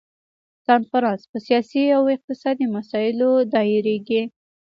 کنفرانس په سیاسي او اقتصادي مسایلو دایریږي.